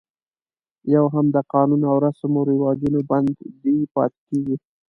یو هم د قانون او رسم و رواجونو بندي پاتې کېږي.